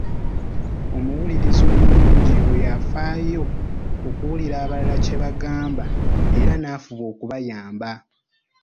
Omuwuliriza omulungi y’oyo afaayo okuwulira abalala kye bagamba era n’afuba okubayamba.